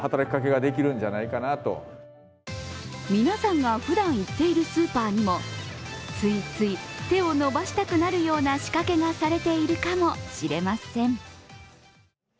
皆さんがふだん行っているスーパーにも、ついつい手を伸ばしたくなるような仕掛けがされているかもしれません。